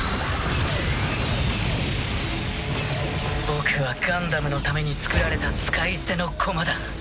僕はガンダムのためにつくられた使い捨ての駒だ。